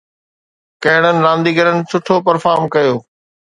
ڪهڙن رانديگرن سٺو پرفارم ڪيو؟